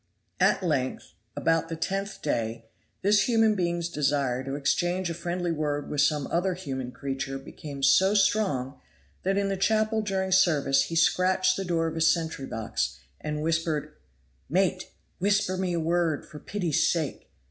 At length, about the tenth day, this human being's desire to exchange a friendly word with some other human creature became so strong that in the chapel during service he scratched the door of his sentry box, and whispered, "Mate, whisper me a word, for pity's sake."